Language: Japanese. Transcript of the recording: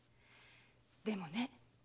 でもね